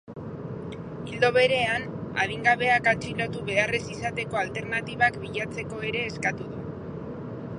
Ildo berean, adingabeak atxilotu behar ez izateko alternatibak bilatzeko ere eskatu du.